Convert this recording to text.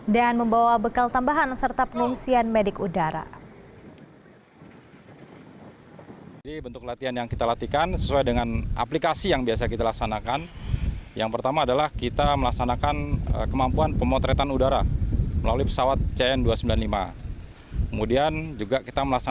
dan membawa bekal tambahan serta penelusuran medik udara